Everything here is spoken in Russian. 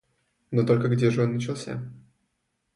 Но только где же он начался?